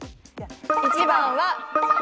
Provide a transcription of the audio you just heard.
１番は。